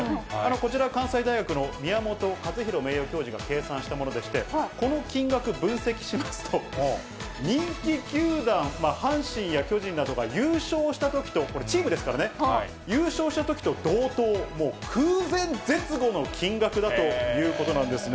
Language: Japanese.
こちら、関西大学の宮本勝浩名誉教授が計算したものでして、この金額分析しますと、人気球団、阪神や巨人などが優勝したときと、これ、チームですからね、優勝したときと同等、空前絶後の金額だということなんですね。